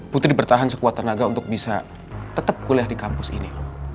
putri bertahan sekuat tenaga untuk bisa tetap kuliah di kampus ini